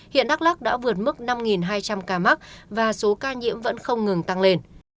hiện đắk lắc đã vượt mức năm hai trăm linh ca mắc và số ca nhiễm vẫn không ngừng tăng lên